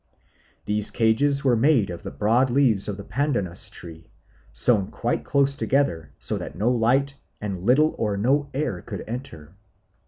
These cages were made of the broad leaves of the pandanus tree, sewn quite close together so that no light and little or no air could enter.